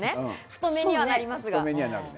太めにはなります。